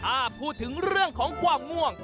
ถ้าพูดถึงเรื่องของความง่วง